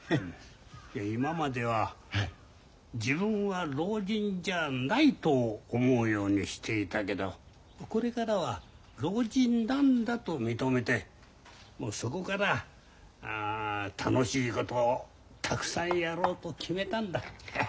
今までは自分は老人じゃないと思うようにしていたけどこれからは老人なんだと認めてそこから楽しいことをたくさんやろうと決めたんだ。